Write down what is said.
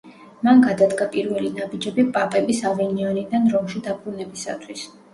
მან გადადგა პირველი ნაბიჯები პაპების ავინიონიდან რომში დაბრუნებისათვის.